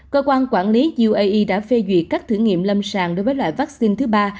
cơ quan quản lý uae đã phê duyệt các thử nghiệm lâm sàng đối với loại vaccine thứ ba